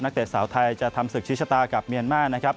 นักเด็กสาวไทยจะทำศึกศิชย์ชะตากับเมียนมารนะครับ